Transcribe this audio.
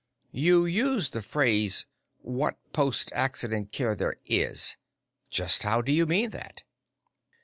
You used the phrase 'what post accident care there is' just how do you mean that?"